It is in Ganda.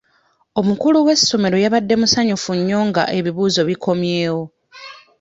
Omukulu w'essomero yabadde musanyufu nga ebibuuzo bikomyewo.